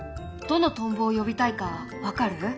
どのトンボを呼びたいか分かる？